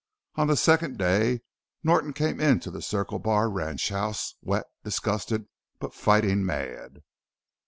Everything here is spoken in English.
On the second day Norton came into the Circle Bar ranchhouse, wet, disgusted, but fighting mad.